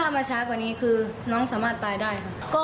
ถ้ามาช้ากว่านี้คือน้องสามารถตายได้ค่ะ